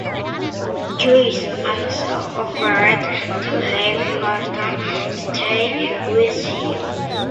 Joyce also offered to have Horton stay with him.